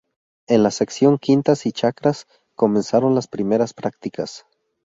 En la sección quintas y chacras comenzaron las primeras practicas.